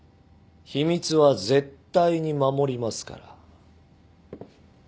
秘密は絶対に守りますから。